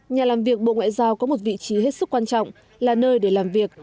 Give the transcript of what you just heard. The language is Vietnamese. nhà làm việc bộ ngoại giao có một vị trí hết sức quan trọng là nơi để làm việc